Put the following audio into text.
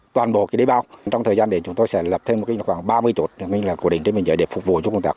trong thời gian đến chúng tôi sẽ lập thêm khoảng ba mươi chốt để phục vụ chúng ta